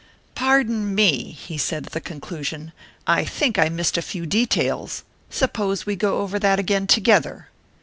"Pardon me," he said, at the conclusion; "I think I missed a few details; suppose we go over that again together."